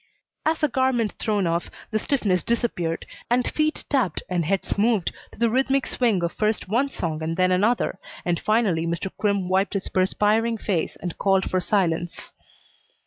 As a garment thrown off, the stiffness disappeared, and feet tapped and heads moved to the rhythmic swing of first one song and then another, but finally Mr. Crimm wiped his perspiring face and called for silence.